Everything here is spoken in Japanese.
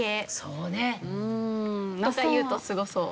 うん。とか言うとすごそう。